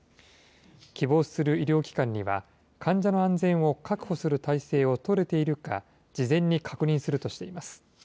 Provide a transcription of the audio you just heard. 希望する医療機関には、患者の安全を確保する体制を取れているか、事前に確認するとしています。